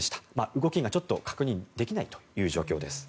動きがちょっと確認できないという状況です。